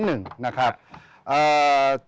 เหมือนเล็บตลอดเวลา